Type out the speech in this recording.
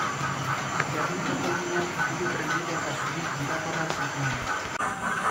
Gernikako lineak hiru trenbide eta zubi birakorra zituen.